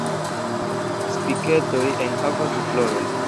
Spiketoj enhavas du floroj.